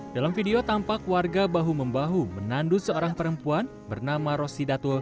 dalam video tampak warga bahu membahu menandu seorang perempuan bernama rosi datul